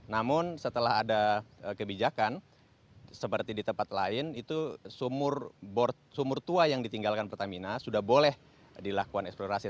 namun setelah ada kebijakan seperti di tempat lain itu sumur tua yang ditinggalkan pertamina sudah boleh dilakukan eksplorasi